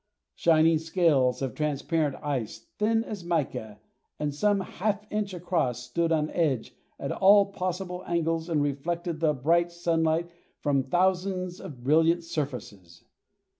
Shining scales of transparent ice, thin as mica and some half inch across, stood on edge at all possible angles and reflected the bright sunlight from thousands of brilliant surfaces.